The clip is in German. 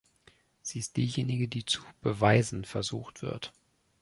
Sie ist diejenige, die zu „beweisen“ versucht wird.